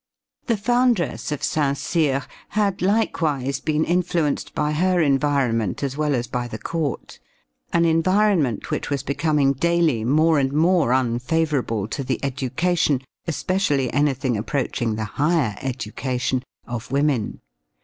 The foundress of Saint Cyr had likewise been influenced by her environment as well as by the court an environment which was becoming daily more and more unfavorable to the education, especially anything approaching the higher education, of women.